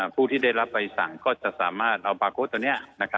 ผู้ที่ได้รับใบสั่งก็จะสามารถเอาบาร์โค้ดตัวนี้